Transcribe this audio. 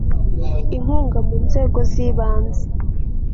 inkunga mu nzego z ibanze